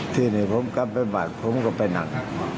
ที่นี่ผมก็ไปบาดผมก็ไปนั่ง